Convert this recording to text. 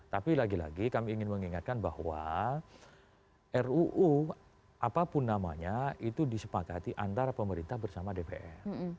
tapi lagi lagi kami ingin mengingatkan bahwa ruu apapun namanya itu disepakati antara pemerintah bersama dpr